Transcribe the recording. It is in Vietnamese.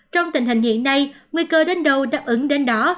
trong tình hình hiện nay nguy cơ đến đâu đáp ứng đến đó